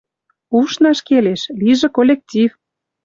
Ушнаш келеш, лижӹ коллектив...»